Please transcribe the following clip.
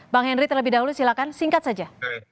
bang henry terlebih dahulu silakan singkat saja